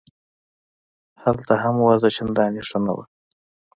هلته هم وضع چندانې ښه نه وه.